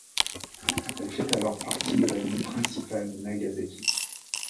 Elle fait alors partie de la ligne principale Nagasaki.